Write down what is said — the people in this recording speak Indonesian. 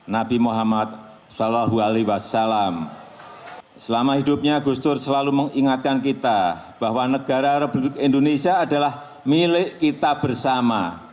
nabi muhammad saw selama hidupnya gus dur selalu mengingatkan kita bahwa negara republik indonesia adalah milik kita bersama